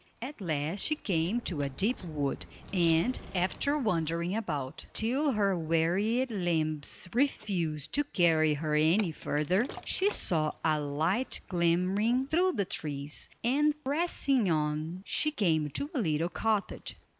At last she came to a deep wood, and, after wandering about till her wearied limbs refused to carry her any further, she saw a light glimmering through the trees, and pressing on she came to a little cottage.